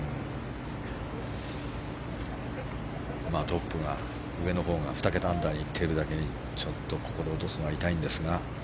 トップ、上のほうが２桁アンダーにいっているだけにちょっとここで落とすのは痛いんですが。